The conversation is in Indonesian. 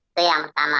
itu yang pertama